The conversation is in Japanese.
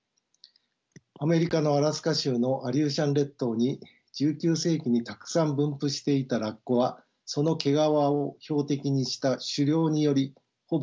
アメリカのアラスカ州のアリューシャン列島に１９世紀にたくさん分布していたラッコはその毛皮を標的にした狩猟によりほぼ絶滅し磯焼けが起こりました。